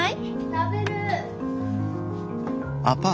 ・食べる。